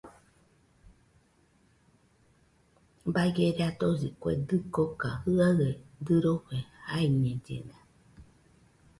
Baie radosi kue dɨkoka, jɨaɨe dɨrofe jaiñellena